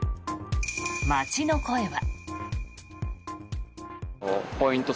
街の声は。